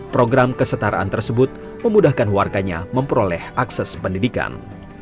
program kesetaraan tersebut memudahkan warganya memperoleh akses pendidikan